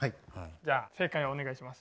じゃあ正解お願いします。